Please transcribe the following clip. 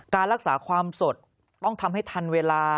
การรักษาความสดต้องทำให้ทันเวลา